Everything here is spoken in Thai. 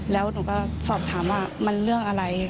แล้วหนูก็สอบถามว่ามันเรื่องอะไร